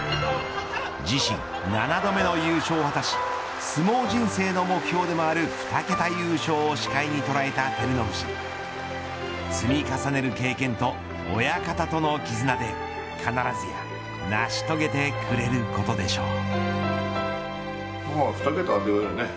自身７度目の優勝を果たし相撲人生の目標でもある２桁優勝を視界にとらえた照ノ富士積み重ねる経験と親方とのきずなで必ずや成し遂げてくれることでしょう。